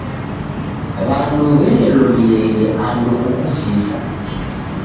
W'andu w'erelolieghe andu kokuvisa.